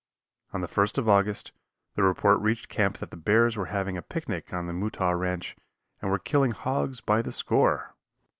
On the 1st of August, the report reached camp that the bears were having a picnic on the Mutaw ranch and were killing hogs by the score.